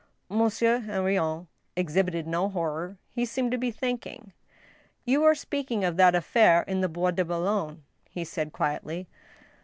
Monsieur Henrion exhibited no horror. He seemed to be think ing. " You are speaking of that affair in the Bois de Boulogne ?" he said, quietly.